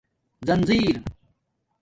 زنجیر